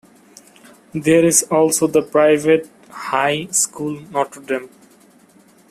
There is also the private high school Notre-Dame.